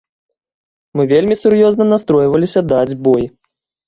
Мы вельмі сур'ёзна настройваліся даць бой.